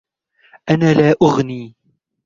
أنا لا أغني.